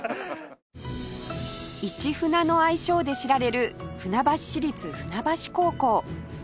「いちふな」の愛称で知られる船橋市立船橋高校